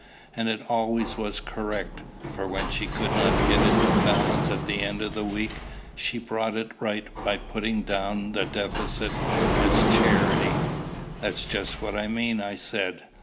And it always was correct; for when she could not get it to balance at the end of the week, she brought it right by putting down the deficit as charity." "That's just what I mean," I said.